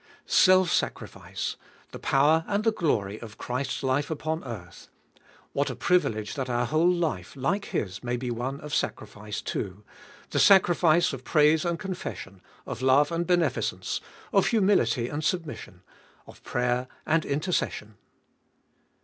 3. Self sacrifice— the power and the glory of Christ's life upon earth. What a privilege that our whole life, like His, may be one of sacrifice too: the sacrifice of praise and confession, of love and beneficence, of humility and submission, of prayer and intercession.